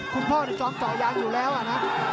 คุณพ่อที่จ้องเจาะยางอยู่แล้วอะนะ